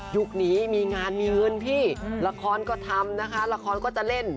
ยุคนี้มีงานมีเงินพี่ละครก็ทำนะคะละครก็จะเล่น